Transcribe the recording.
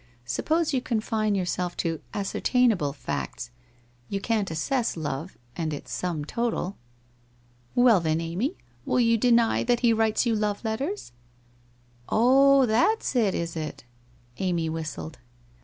Suppose you confine yourself to ascertainable facts. You can't assess love, and its sum total.' 'Well then, Amy, will you deny that he writes you love letters?' 'Ob, that's it, is it?' Amy whistled.